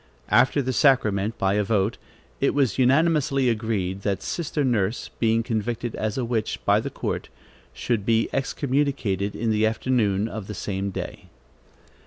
After the sacrament, by a vote, it was unanimously agreed, that sister Nurse, being convicted as a witch by the court, should be excommunicated in the afternoon of the same day.